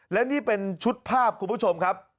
และนี่เป็นชุดภาพคุณผู้ชมครับ